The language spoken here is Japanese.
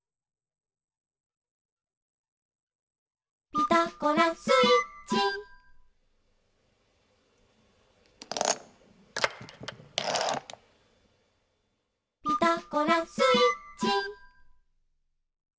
「ピタゴラスイッチ」「ピタゴラスイッチ」